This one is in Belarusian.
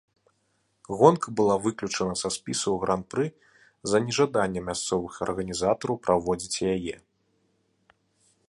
Гонка была выключана са спісаў гран-пры з-за нежадання мясцовых арганізатараў праводзіць яе.